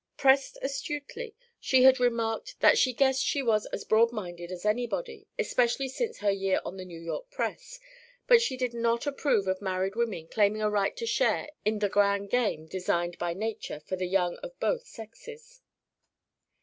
Pressed astutely, she had remarked that she guessed she was as broad minded as anybody, especially since her year on the New York press, but she did not approve of married women claiming a right to share in the Great Game designed by Nature for the young of both sexes.